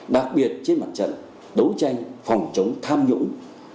đặc biệt trên mặt trận đấu tranh phòng chống tham nhũng